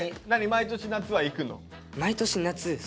毎年夏は行くの？